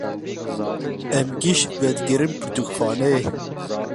Em giş vedigerin pirtûkxaneyê.